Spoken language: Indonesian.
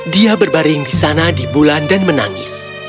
dia berbaring di sana di bulan dan menangis